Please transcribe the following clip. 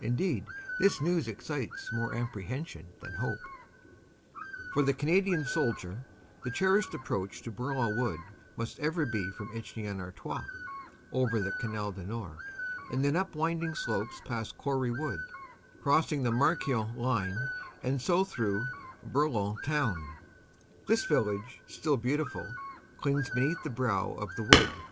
Indeed, this news excites more apprehension than hope. 22 322 CANADA S HUNDRED DAYS For the Canadian soldier the cherished approach to Bour lon Wood must ever be from Inchy en Artois over the Canal du Nord and then up winding slopes past Quarry Wood, crossing the Marquion line, and so through Bourlon town. This village, still beautiful, clings beneath the brow of the wood.